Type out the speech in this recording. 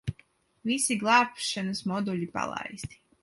Visi glābšanas moduļi palaisti.